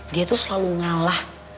dia tuh selalu ngalah